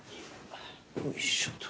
よいしょっと。